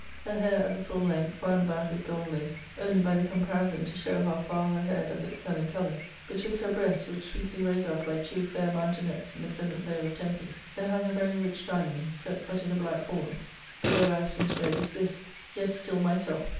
Her hair at the full length, wound about with gold lace, only by the comparison to show how far her hair doth excel in colour :, betwixt her breasts^ which sweetly rose up like two fair mountanets in the pleasant vale of Tempe, there hung a very rich diamond, set but in a black horn ; the word I have since read is this,^ ^"^* Yet still myself.'